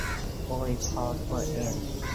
อวยพรตัวเอง